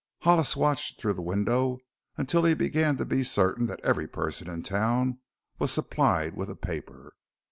Hollis watched through the window until he began to be certain that every person in town was supplied with a paper.